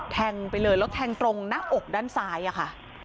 แทงไปเลยแล้วแทงตรงหน้าอกด้านซ้ายอะค่ะ